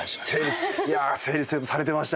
いや整理整頓されてましたね。